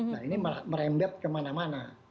nah ini merembet kemana mana